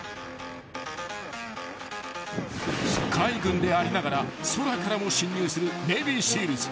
［海軍でありながら空からも侵入するネイビーシールズ］